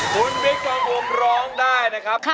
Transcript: คุณบิ๊กปองผมร้องได้นะครับ